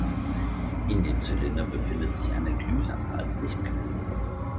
In dem Zylinder befindet sich eine Glühlampe als Lichtquelle.